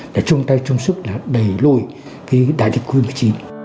để chung tay chung sức là đẩy lùi cái đại dịch covid một mươi chín